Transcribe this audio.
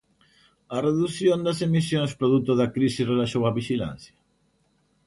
A redución das emisións produto da crise relaxou a vixilancia?